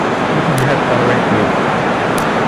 Isseǧhad tarwiḥt-iw.